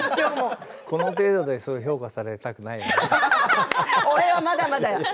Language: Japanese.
この程度で評価されたくないな。